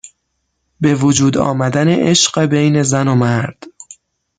به وجود آمدن عشق بین زن و مرد